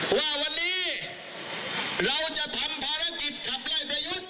ว่าวันนี้เราต้องรักษาคำพูดกับประชาชน